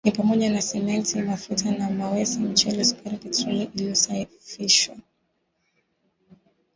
ni pamoja na Simenti, mafuta ya mawese mchele sukari petroli iliyosafishwa